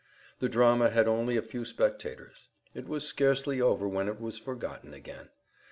The drama had only a few spectators. It was scarcely over when it was forgotten again.